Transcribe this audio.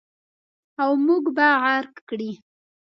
او موږ به عاق کړي.